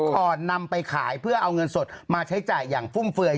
ก่อนนำไปขายเพื่อเอาเงินสดมาใช้จ่ายอย่างฟุ่มเฟือย